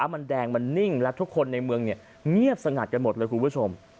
มันแดงมันนิ่งและทุกคนในเมืองเงียบสงัดกันหมดเลยคุณผู้ชม